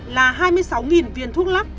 là hai mươi sáu viên thuốc lắc